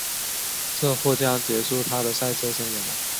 这或将结束她的赛车生涯。